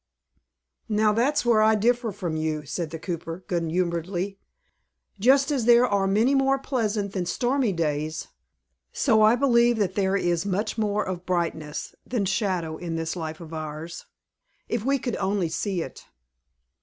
"Now that's where I differ from you," said the cooper, good humoredly, "just as there are many more pleasant than stormy days, so I believe that there is much more of brightness than shadow in this life of ours, if we would only see it."